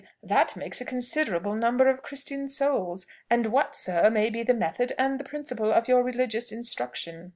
that makes a considerable number of Christian souls. And what, sir, may be the method and the principle of your religious instruction?"